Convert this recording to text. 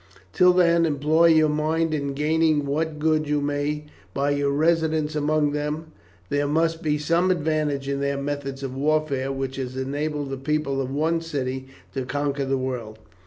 Till then employ your mind in gaining what good you may by your residence among them; there must be some advantage in their methods of warfare which has enabled the people of one city to conquer the world.